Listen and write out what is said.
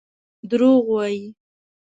دروغ وايي.